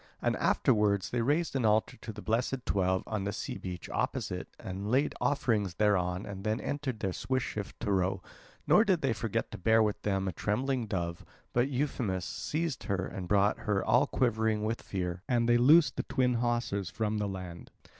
And afterwards they raised an altar to the blessed twelve on the sea beach opposite and laid offerings thereon and then entered their swift ship to row, nor did they forget to bear with them a trembling dove; but Euphemus seized her and brought her all quivering with fear, and they loosed the twin hawsers from the land.